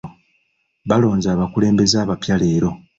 Balonze abakulembeze abapya leero.